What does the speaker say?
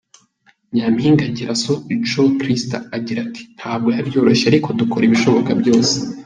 Nyampinga Giraso Joe Christa agira ati :”Ntabwo biba byoroshye ariko dukora ibishoboka byose.